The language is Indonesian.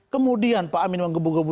kemudian pak amin yang gebu gebu